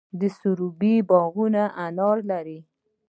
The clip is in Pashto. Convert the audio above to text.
د سروبي باغونه انار لري.